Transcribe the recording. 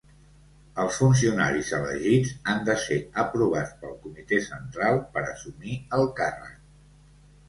Els funcionaris elegits han de ser aprovats pel Comitè Central per assumir el càrrec.